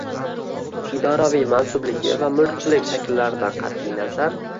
idoraviy mansubligi va mulkchilik shakllaridan qat’i nazar